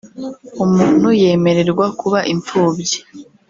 umuntu yemererwa kuba imfubyi